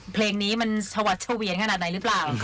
เพลงนี้มันชวัดเฉวียนขนาดไหนหรือเปล่า